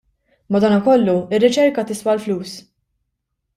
Madankollu, ir-riċerka tiswa l-flus.